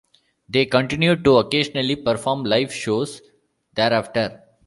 They continued to occasionally perform live shows thereafter.